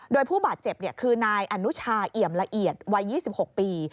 โดยผู้บาดเจ็บคือนายอนุชาเอี่ยมละเอียดวัย๒๖ปี